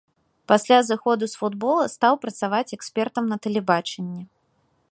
Пасля зыходу з футбола стаў працаваць экспертам на тэлебачанні.